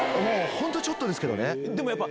本当ちょっとですけどね。